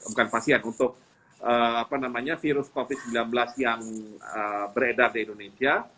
bukan pasien untuk virus covid sembilan belas yang beredar di indonesia